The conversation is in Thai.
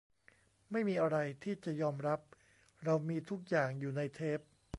ไม่มีอะไรที่จะยอมรับ เรามีทุกอย่างอยู่ในเทป